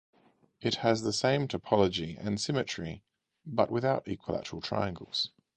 It has the same topology and symmetry, but without equilateral triangles.